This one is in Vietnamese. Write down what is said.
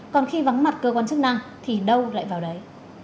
còn khi vắng mặt cơ quan chức năng thì đâu lại vào đấy